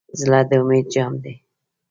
زړه د امید جام دی.